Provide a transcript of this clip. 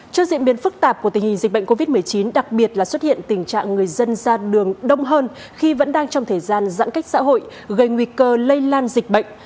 trước diễn biến phức tạp của tình hình dịch bệnh covid một mươi chín đặc biệt là xuất hiện tình trạng người dân ra đường đông hơn khi vẫn đang trong thời gian giãn cách xã hội gây nguy cơ lây lan dịch bệnh